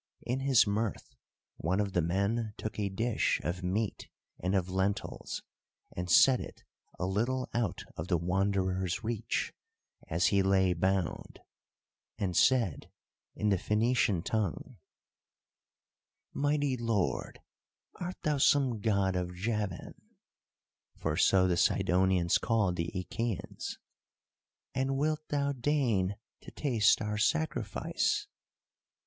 In his mirth one of the men took a dish of meat and of lentils, and set it a little out of the Wanderer's reach as he lay bound, and said in the Phoenician tongue: "Mighty lord, art thou some god of Javan" (for so the Sidonians called the Achæans), "and wilt thou deign to taste our sacrifice?